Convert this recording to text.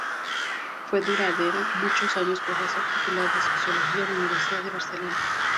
Fue durante muchos años Profesor titular de Sociología en la Universidad de Barcelona.